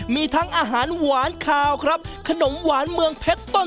มีทั้งอาหารหวานคาวครับขนมหวานเมืองเพชรต้น